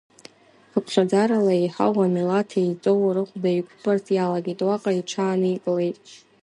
Хыԥхьаӡарала еиҳау амилаҭ еиҵоу рыхәда иқәтәарц иалагеит, уаҟа иҽааникылеит.